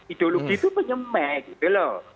ideologi itu penyemeh gitu loh